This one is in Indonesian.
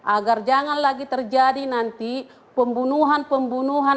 agar jangan lagi terjadi nanti pembunuhan pembunuhan